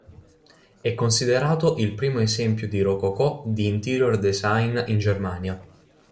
È considerato il primo esempio di rococò di interior design in Germania.